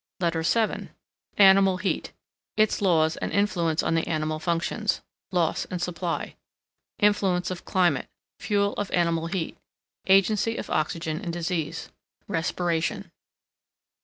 LETTER VII ANIMAL HEAT, its laws and influence on the Animal Functions. Loss and SUPPLY. Influence of Climate. Fuel of Animal Heat. Agency of Oxygen in Disease. Respiration.